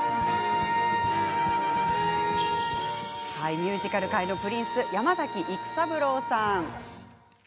ミュージカル界のプリンス山崎育三郎さん。